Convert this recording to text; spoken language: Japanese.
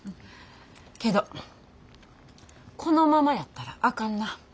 けどこのままやったらあかんな。